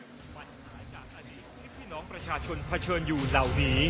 ปัญหาจากอดีตที่พี่น้องประชาชนเผชิญอยู่เหล่านี้